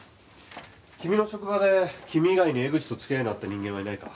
君の職場で君以外に江口と付き合いのあった人間はいないか？